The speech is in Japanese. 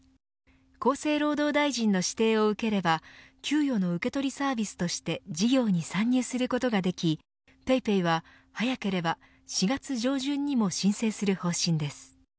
厚生労働大臣の指定を受ければ給与の受け取りサービスとして事業に参入することができＰａｙＰａｙは早ければ４月上旬にも申請する方針です。